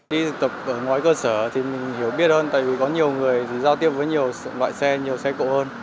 đi thực tập ở ngoài cơ sở thì mình hiểu biết hơn tại vì có nhiều người thì giao tiếp với nhiều loại xe nhiều xe cộ hơn